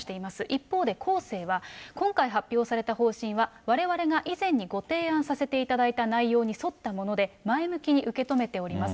一方で、コーセーは、今回発表された方針は、われわれが以前にご提案させていただいた内容に沿ったもので、前向きに受け止めております。